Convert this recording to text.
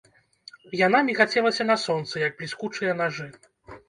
Яна мігацелася на сонцы, як бліскучыя нажы.